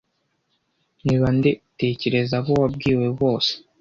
ni bande tekereza abo wabwiwe bose